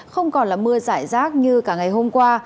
không còn là mưa rải rác như ngày hôm qua